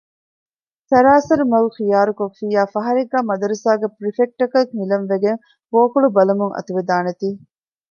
ސަރާސަރު މަގު ޚިޔާރުކޮށްފިއްޔާ ފަހަރެއްގައި މަދުރަސާގެ ޕުރިފެކްޓަކަށް ހިލަން ވެގެން ބޯކޮޅު ބަލަމުން އަތުވެދާނެ ތީ